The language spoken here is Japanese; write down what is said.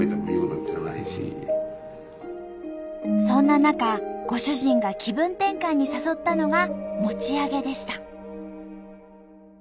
そんな中ご主人が気分転換に誘ったのが餅上げでした。